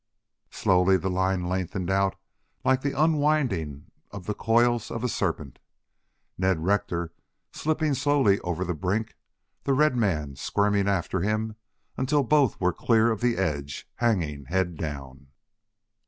Slowly the line lengthened out like the unwinding of the coils of a serpent, Ned Rector slipping slowly over the brink, the red man squirming after him, until both were clear of the edge, hanging head down.